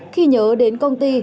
khi nhớ đến công ty